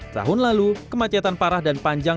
tahun lalu kemacetan parah dan panjang